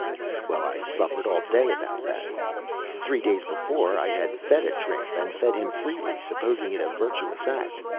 Well, I suffered all day about that. Three days before I had fed a tramp, and fed him freely, supposing it a virtuous act.